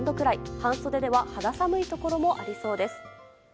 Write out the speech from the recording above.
半袖では肌寒いところもありそうです。